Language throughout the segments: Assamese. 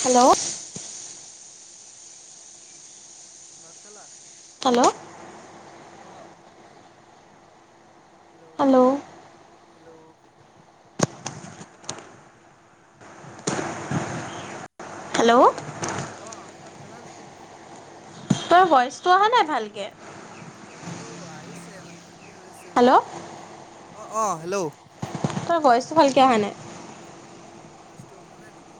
হেল্ল'? ভাত খালা? হেল্ল'? অ' হেল্ল'? হেল্ল'? হেল্ল' অ ভাত খেলা নেকি? তই ভইচটো অহা নাই ভালকৈ? বস্তু আহিছে মানে কি হৈ আছে ৰবা। অঁ-অঁ হেল্ল', তোৰ ভইচটো ভালকৈ অহা নাই। ভাইচ অহা নাই নেকি?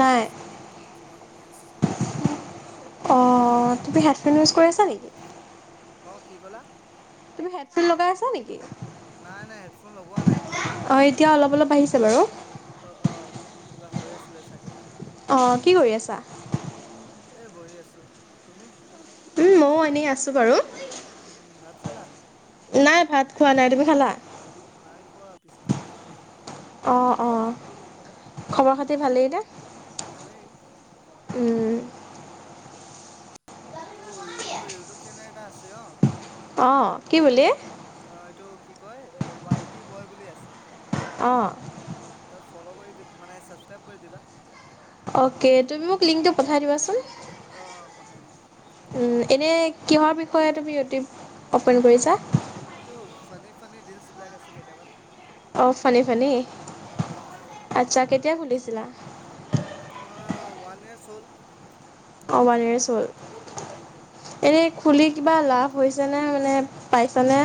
নাই চাব লাগিব। কিবা হৈ আছে চাগে। অ তুমি হ হেডফোন ইউজ কৰি আছো নেকি? অঁ কি ক'লা? তুমি হেডফোন লগাই আছা নেকি? নাই-নাই হেডফোন লগোৱা নাই। অ এতিয়া অলপ-অলপ আহিছে বাৰু। অ কিবা হৈ আছিলে চাগে। অঁ কি কৰি আছা? এই বহি আছোঁ তুমি? ময়ো এনেই আছোঁ বাৰু। উম ভাত খালা? নাই ভাত খোৱা নাই। তুমি খালা? নাই খোৱা পিছতকে খাম। অঁ-অঁ খবৰ খাতি ভালেই নে? ভালেই। উম, টো মোৰ ইউটিউব চেনেল এটা আছে অ', অঁ কি বুলি অ' এইটো কি কয় ৱাইটি বয় বুলি আছে? অঁ ত ফ'ল কৰি মানে চাজক্ৰাইব কৰি দিবা। অ'কে তুমি মোক লিংকটো পঠাই দিবাচোন। অঁ অঁ পঠাই দিম। এনে কিহৰ বিষয়ে তুমি ইউটিউব অপেন কৰিছা। এইটো ফানি-ফানি ৰিলচ বিলাক আছে কেইটামান। অ ফানী-ফানী অঁ আচ্ছা কেতিয়া খুলিছিলা? অ ৱান ইয়াৰ হল। অঁৱান ইয়াৰছ হ'ল। এনে খুলি কিবা লাভ হৈছেনে মানে পাইছানে?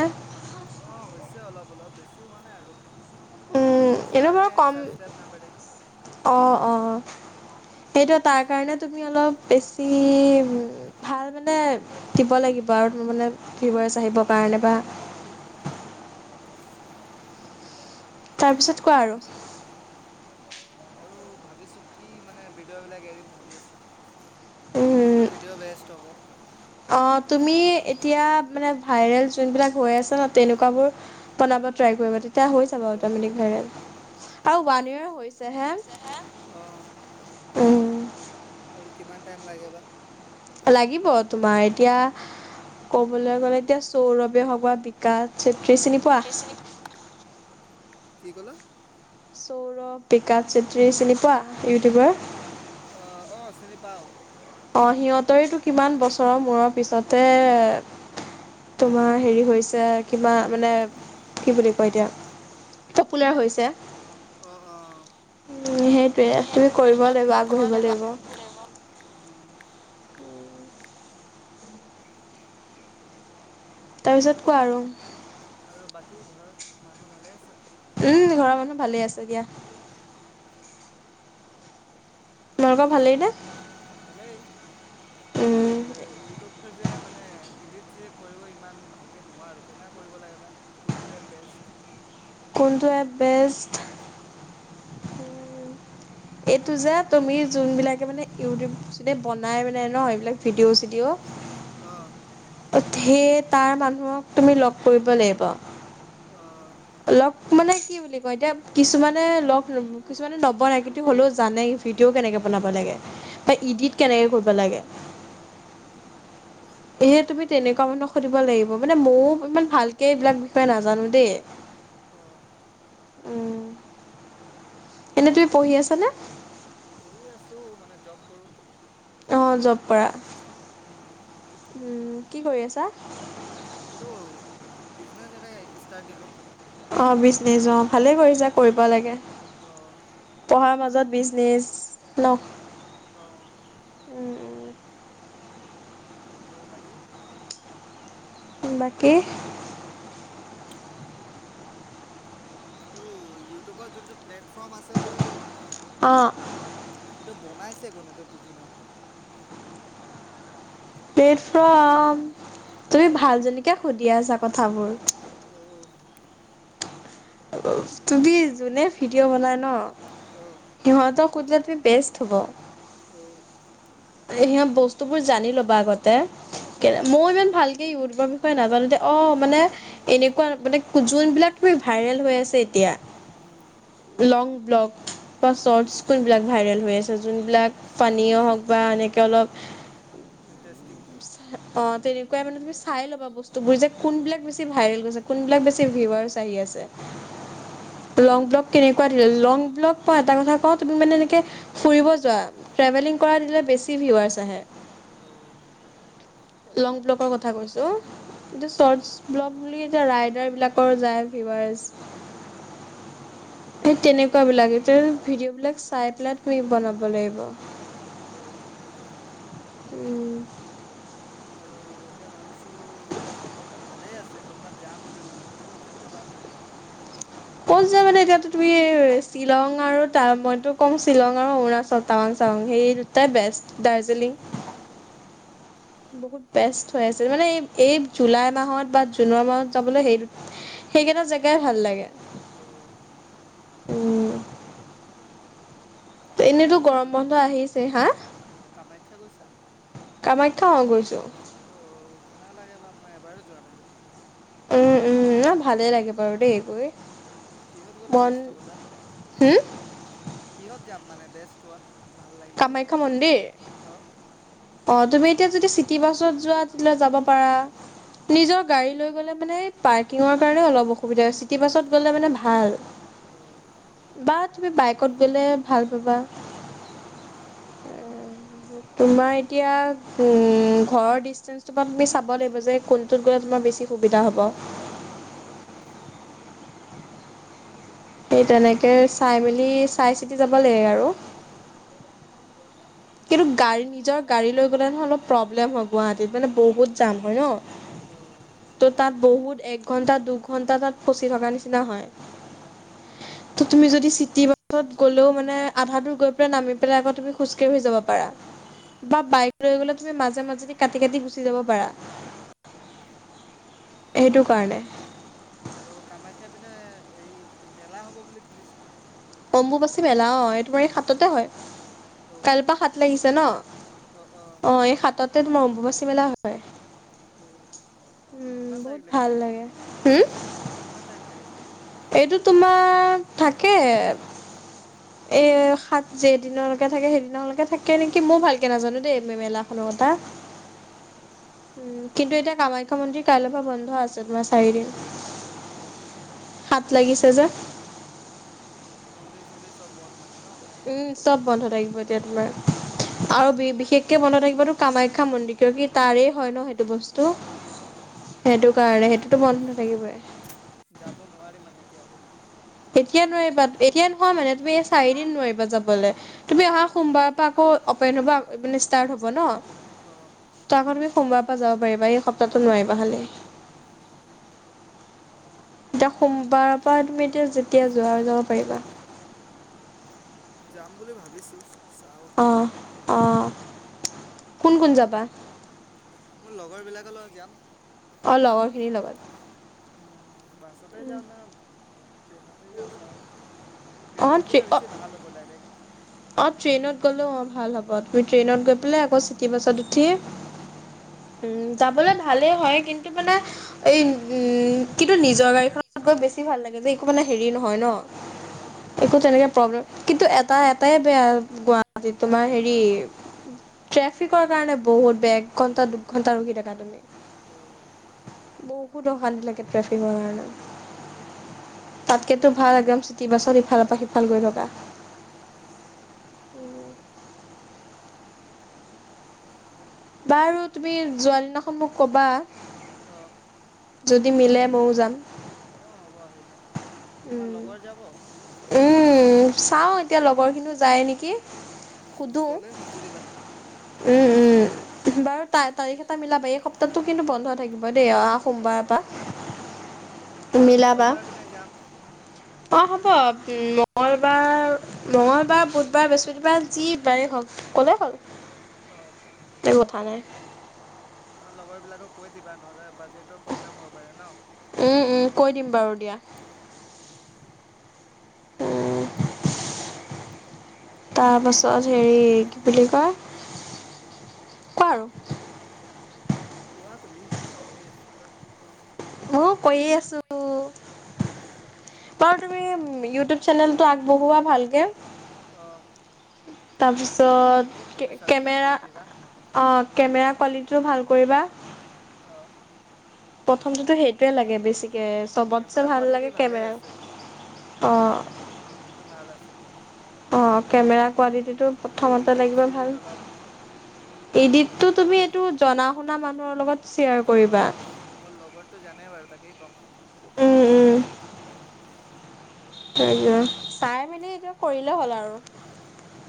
অ হৈছে অলপ অলপ বেছি হোৱা নাই আৰু। ভিউজ এনে বাঢ়ে বাৰু কম ছাবস্ক্ৰাইব নাবাঢ়ে অ-অ, সেইটো তাৰ কাৰণে তুমি অলপ বেছি ভাল মানে দিব লাগিব আৰু তোমাৰ মানে। ভিউৱাচ আহিবৰ অঁ কাৰণে বা তাৰপিছত কোৱা আৰু উম, [unintelligible] অঁ তুমি এতিয়া মানে ভাইৰেল যোনবিলাক হৈ আছে ন তেনেকুবোৰ বনাব ট্ৰাই কৰিবা, তেতিয়া হৈ যাবা অঁ অট'মেটিক ভাইৰেল আৰু ৱান ইয়েৰ হৈছে হৈছেহে উম। উম। আৰু কিমান টাইম লাগে বা লাগিব তোমাৰ এতিয়া ক'বলৈ গ'লে, এতিয়া সৌৰভ হওঁক বা বিকাশ চেত্ৰী ত্ৰী চিনি পোৱা? কি ক'লা? বিকাশ চেত্ৰী চিনি পোৱা ইউটিউবাৰ? অঁ অ' চিনি পাও। সিহঁতৰতো কিমান বছৰৰ মূৰৰ পিছতে, তোমাৰ হেৰি হৈছে কিবা মানে, কি বুলি কয় এতিয়া পপুলাৰ হৈছে। অঁ সেইটোৱে তুমি কৰিব লাগিব, আগবাঢ়িব লাগিব। তাৰপিছত কোৱা আৰু। কী ঘৰৰ মানুহ ভালে আছে? উম ঘৰৰ মানুহ ভালে আছে দিয়া। উম, তোমালোকৰ ভালেই নে? ভালেই আৰু উম ইউ ফটোবোৰ যে মানে ইডিট চিডিট কৰিব ইমান ভালকৈ নোৱাৰোঁ কেনেকৈ কৰিব লাগে বা কোনটো এপ বেষ্ট। কোনটো এপ বেষ্ট এইটো যে তুমি যোনবিলাকে মানে ইউটিউব চিউটিউব বনাই মানে ন এইবিলাক ভিডিঅ' চিডিঅ' অঁ। সেয়ে তাৰ মানুহক তুমি লগ কৰিব লাগিব। অঁ। লগ মানে কি বুলি কয় এতিয়া কিছুমানে লগ কিছুমানে নবনাই কিন্তু হ'লেও জানে ভিডিঅ' কেনেকে বনাব লাগে। বা ইডিত অ'। কেনেকে কৰিব লাগে। সেয়েহে তুমি তেনেকুৱা মানুহক সুধিব লাগিব মানে ময়োও ইমান ভালকে এইবিলাক বিষয়ে নাজানো দেই। অঁ। উম'। এনে তুমি পঢ়ি আছানে? কৰি আছোঁ, মানে জব কৰোঁ। অঁ জব কৰা। উম, উম'। কি কৰি আছা? এইটো বিজনেচ এটা ষ্টাৰ্ট দিলো। অঁ বিছনেজ অ' ভালে কৰিছা কৰিব লাগে। অঁ। পঢ়াৰ মাজত বিজনেছ ন। অ' উম, আৰু বাকী? বাকী এইটো ইউটিউবত যোনটো প্লেটফৰ্ম আছে ন অ' সেইটো বনাই। তাকেইতো বুজি নাইপোৱা। প্লেটফৰ্ম। তুমি ভাল জনীকে সুধি আছা। কথাবোৰ। উম, তুমি যোনে ভিডিঅ' বনাই ন, অ', সিহঁতক। ক'ত যিটো বেষ্ট হ'ব। অ' সিহঁত বস্তু বোৰ জানি ল'বা আগত কে মই শ্বৰ্টছ ইমান ভালকে ইউটিউব। নাজানোতে অ মানে এনেকুৱা মানে যোনবিলাক তুমি ভাইৰেল হৈ আছে এতিয়া উম, লং ব্লক বা শৰ্টচ কোনবিলাক ভাইৰেল হৈ আছে যোনবিলাক পানীয় হওক। বা এনেকে অলপ ইণ্টাৰেষ্টিং অ তেনেকুৱ মানে তুমি চাই ল'বা বস্তু বোৰ যে কোন বিলাক বেছি ভাইৰেল হৈছে কোনবিলাক বেছি ভিউৱাচ আহি আছে অ' লংব্লক কেনেকুৱা ধৰি ল লংব্লক পৰা এটা কথা কওঁ। তুমি মানে এনেকে ফুৰিব যোৱা। দিলে বেছি ভিউৱাছ আহে। লং ব্লকৰ কথা কৈছো। এইটো চৰ্টচ ব্লগ বুলি এতিয়া ৰাইডাৰ বিলাকৰ যায় ডিভাইজ। সেই তেনেকুৱাবলাক ভিডিঅ' বিলাক চাই পেলাই তুমি বনাব লাগিব। উম। আৰু এতিয়া ভাবিছো বতৰটো ভালেই আছে ক'তবাত যাম বুলি ঘূৰিব ক'ত যাও বা। ক'ত যা মানে এতিয়া তুমি শ্বিলং আৰু ত মইতো কম শ্বিলং আৰু অৰুণাচল টাৱাং চাৱাং। সেই দুটাই অ' বেষ্ট দাৰ্জিলিং। উম, বহুত বেষ্ট হৈ আছে মানে এই জুলাই মাহত বা জুনৰ মাহত যাবলৈ সেই সেইকেইটা জেগাই ভাল লাগে। অ' উম। কামাখ্যা এনেইতো গৈছা গৰম তুমি? বন্ধ আহিছেই হা কামাখ্যা গৈছা? কামাখ্যা অ গৈছো। কেনেকা লাগে বা মই এবাৰো যোৱা নাই কিন্তু। উম- উম ন ভালে লাগে বাৰু দেই গৈ কিহত গ'লে মন বেষ্ট হব তাত। হম কিহত যাম মানে বেষ্ট হোৱা ভাল লাগিব কামাখ্যা গৈ? মন্দিৰ, অ', তুমি এতিয়া যদি চিটি বাছত যোৱা তেতিয়াহঁলে যাব পাৰা। অ' নিজৰ গাড়ী লৈ গ'লে মানে, পাৰ্কিঙৰ কাৰণে অলপ অসুবিধা হৈছে, চিটি বাছত গ'লে মানে ভাল। অ' বাট তুমি বাইকত গ'লে ভাল পাবা। উম। তোমাৰ এতিয়া উম, ঘৰৰ ডিচটেন্সটোৰ পৰা তুমি চাব লাগিব যে কোনটোত গৈ আপোনাৰ বেছি সুবিধা হ'ব। অ'। সেই তেনে কে চাই মেলি চাই চিতি যাব লাগে আৰু। কিন্তু গাড় নিজৰ গাড়ী লৈ গ'লে নহয় অলপ প্ৰব্লেম হয় গুৱাহাটীত মানে বহুত যাম হয় ন' অ' ত' তাত বহুত এক একঘণ্টা, দুঘন্টা তাত ফচি থকা নিচিনা হয় ত' তুমি যদি চিটি বাছত গ'লেও মানে আধা দূৰ গৈ পেলাই নামি পেলাই আকৌ তুমি খোঁজ যাব পাৰা উম বা, বাইক লৈ গ'লে তুমি মাজে, মাজেদি কাটি, কাটি গুচি যাব পাৰা। সেইটো কাৰণে। আৰু কামাখ্যা। এইপিনে এই, কি মেলা হ'ব বুলি শুনিছোঁ। অম্বুবাচী মেলা অ', এইটো মানে সাততে হয়। অ' কাইলৈপা সাত লাগিছে ন? অ', এই সাততে তোমাৰ অম্বুবাচী মেলা হয়। অ' উম, কিমান বহুত তাৰিখ লেকে ভাল থাকে? লাগে। হুম? কিমান তাৰিখ লেকে থাকে? এইটো তোমাৰ থাকে এই সাত যেই দিনলৈকে থাকে, সেইদিনলৈকে থাকে অ' নেকি ময়ো অ' ভালকে নাজানো দেই, মেলাখনৰ অ' কথা। অ' উম উম, কিন্তু এতিয়া কামাখ্যা মন্দিৰ কাইলৈৰ পৰা বন্ধ আছে তোমাৰ চাৰিদিন। অ' সাত লাগিছে যে মন্দিৰ, চন্দিৰ চব বন্ধ না উম চব বন্ধ থাকিব এতিয়া তোমাৰ। আৰু বিশেষকে বন্ধ থাকিবতো কামাখ্যা মন্দিৰ কিয় কি তাৰে হয় ন। সেইটো বস্তু অ', অ', সেইটো মানে কাৰণে আজি সেইটোতো বন্ধ থাকিবই। তি আৰু এতিয়া নোৱাৰিবা এতিয়া নহয় মানে তুমি এই চাৰিদিন নোৱাৰিবা যাবলে তুমি অহা অ'। সোমবাৰৰ পৰা আকৌ অপেন হ'ব মানে ষ্টাৰ্ট হ'ব ন, অ', ত' আকৌ তুমি সোমবাৰৰ পৰা যাব পাৰিবা, এই সপ্তাহটো নোৱাৰিবা খালি। উম। এতিয়া, সোমবাৰৰ পৰা তুমি এতিয়া যেতিয়া যোৱা আৰু যাব পাৰিবা। যাম বুলি ভাবিছোঁ। চাও। অ অ', কোন, কোন যাবা? মোৰ লগৰ বিলাকৰ লগ যাম। অ', লগৰ খিনিৰ লগত। উম, বাছতেই যাওঁ না ট্ৰেইনতে যাওঁ চাওঁ, অ ট্ৰেইনত ট্ৰে গ'লে অ বেছি ভাল হ'ব ডাইৰেক্ট। অ', ট্ৰেইনত গ'লেও অ', ভাল হ'ব। তুমি ট্ৰেইনত গৈ পেলাই আকৌ চিটি বাছত উঠি উম, যাবলে ভালেই হয়, কিন্তু মানে এই, উম, কিন্তু নিজৰ গাড়ীখনত গৈ বেছি ভাল লাগে যে, একো মানে হেৰি নহয় ন, অ'। অ'। একো তেনেকে প্ৰব্লেম কিন্তু এটা, এটা তাই বেয়া গুৱা তোমাৰ হেৰি, পাৰ্কিঙৰ ন ট্ৰেফিকৰ কাৰণে বহুত বে, এক ঘন্টা, দু ঘণ্টা, ৰখি থকা তুমি। অ'। বহুত অশান্তি লাগে ট্ৰেফিকৰ কাৰণে, তাতকেটো ভাল একদম চিটি বাছত ইফালপা, সিফাল গৈ থকা। উম, বাৰু তুমি যোৱা দিনাখন মোক ক'বা। অ'। যদি, মিলে মও যাম। অ, হ'ব আহিবা, তোমাৰ উম লগৰ যাব? কোনো উম, চাও এতিয়া লগৰ খিনি যায় নেকি, উম, সুধো গ'লে মাতি দিবা। উম, উম। বাৰু তা-তাৰিখ এটা মিলাবা, এই সপ্তাহটো কিন্তু বন্ধ হৈ থাকিব হব দেই, অহা অ' সোমবাৰ অ' পৰা অ' সোমবাৰ মিলাবা। মংগলবাৰ পিনে যাম অ হ'ব। উ, মঙলবাৰ আও মঙলবাৰ, বুধবাৰ বাৰ, বৃহস্পতিবাৰ, যি বাৰেই হওক, গ'লে হ'ল। অ' [inaudible] তোমাৰ লগৰ বিলাকক কৈ দিবা, নহ'লে বা [unintelligible] প্ৰব্লেম হব পাৰে ন? উম উম উ, কৈ দিম উ, বাৰু কৈ দিয়া দিম বাৰু দিয়া। উ, তাৰপাছত [unintelligible] কি বুলি কয়? [inaudible] কোৱা তুমি, মইতো কৈয়ে আছো, আৰু কি ক'ম? ম‌ও কৈয়ে আছোঁ, বাৰু তুমি ইউটিউব চেনেলটো আগবঢ়োৱা ভালকে। অ' থেংক ইউ তুমি তাৰপিছত ছাবস্ক্ৰাইব কেমেৰা, কৰি দিবা অ, কেমেৰা কোৱালিটিটো ভাল কৰিবা। অ' প্ৰথমটোতো সেইটোয়ে লাগে বেছিক চবতছে কেমেৰা ভাল কোৱালিটি লাগে, ভালেই কেমেৰা, আছে অ'। এইটো ভাল আছে অ', কেমেৰা কোৱালিটিতো খালি প্ৰথমতে ইডিট লাগিব চিডিট ভাল। অলপ ইডিটটো এডিটটো শিকি ল'ব তুমি, লাগিব। এইটো জনা-শুনা মানুহৰ লগত শ্বেয়াৰ অ কৰিবা। কেই কম উম, উম। তাকে চাই-মেলি এতিয়া কৰিলে হ'ল, আৰু উম।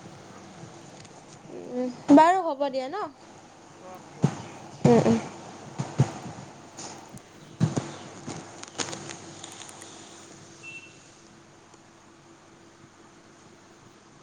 বাৰু, হ'ব দিয়া ন'? অ', হ'ব। উম, উম।